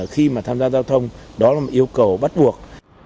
khi mà tham gia giao thông đó là một yêu cầu bắt buộc